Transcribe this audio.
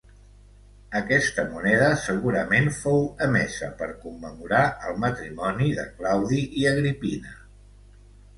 Aquesta moneda segurament fou emesa per commemorar el matrimoni de Claudi i Agripina.